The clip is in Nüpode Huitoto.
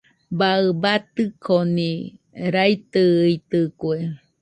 Baɨ batɨnokoni raitɨitɨkue.